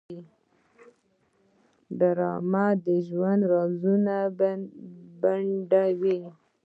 ډرامه د ژوند رازونه بربنډوي